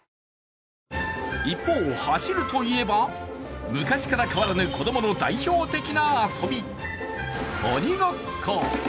一方、走るといえば、昔から変わらぬ子供の代表的な遊び、鬼ごっこ。